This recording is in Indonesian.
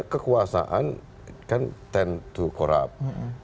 kekuasaan tend to corrupt